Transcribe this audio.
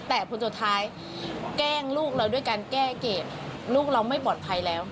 แต่คนสุดท้ายแกล้งลูกเราด้วยการแก้เกรดลูกเราไม่ปลอดภัยแล้ว